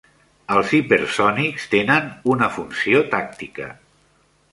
Els hipersònics tenen una funció tàctica.